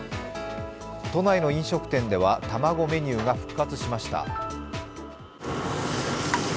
都内の飲食店では卵メニューが復活しました。